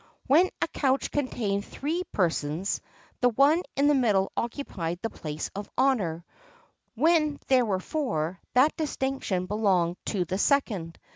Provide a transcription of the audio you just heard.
[XXXII 57] When a couch contained three persons, the one in the middle occupied the place of honour; when there were four, that distinction belonged to the second.